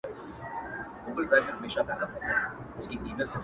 نه چي دا سپرلی دي بې وخته خزان سي.